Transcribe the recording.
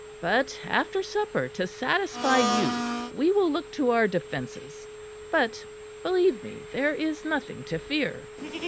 But after supper, to satisfy you, we will look to our defences. But, believe me, there is nothing to fear."